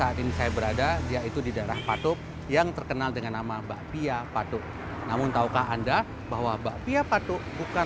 kisah ini bukan hanya soal bagaimana produk kuliner peranakan ini dibuat